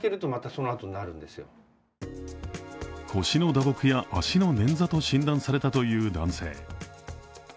腰の打撲や足の捻挫と診断されたという男性。